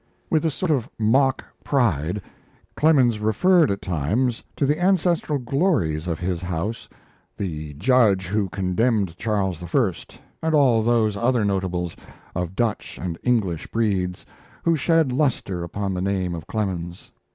With a sort of mock pride, Clemens referred at times to the ancestral glories of his house the judge who condemned Charles I., and all those other notables, of Dutch and English breeds, who shed lustre upon the name of Clemens.